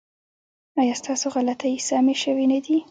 ایا ستاسو غلطۍ سمې شوې نه دي؟